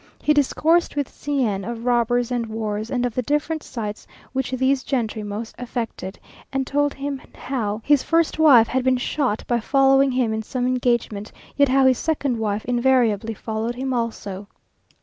He discoursed with C n of robbers and wars, and of the different sites which these gentry most affected, and told him how his first wife had been shot by following him in some engagement, yet how his second wife invariably followed him also.